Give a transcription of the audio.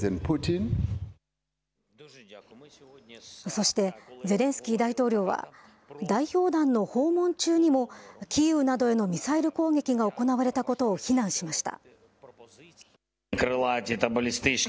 そして、ゼレンスキー大統領は代表団の訪問中にも、キーウなどへのミサイル攻撃が行われたことを非難しました。